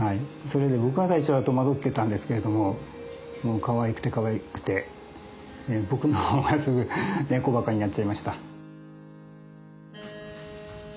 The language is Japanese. それで僕は最初は戸惑ってたんですけれどももうかわいくてかわいくて僕の方が猫ばかになっちゃいました。